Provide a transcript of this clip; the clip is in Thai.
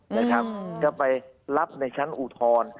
นะครับก็ไปรับในชั้นอุทธรณ์